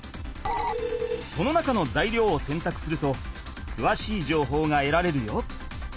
その中のざいりょうをせんたくするとくわしいじょうほうがえられるよ。